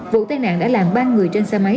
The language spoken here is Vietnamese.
vụ tai nạn đã làm ba người trên xe máy